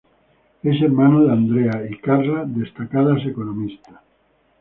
Es hermano de Andrea y Carla, destacadas economistas.